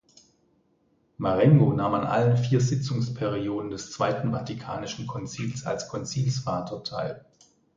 Marengo nahm an allen vier Sitzungsperioden des Zweiten Vatikanischen Konzils als Konzilsvater teil.